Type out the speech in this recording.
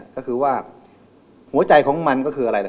ก็คือว่าหัวใจของมันก็คืออะไรเลย